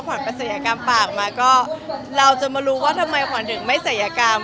ประศัยกรรมปากมาก็เราจะมารู้ว่าทำไมขวัญถึงไม่ศัยกรรม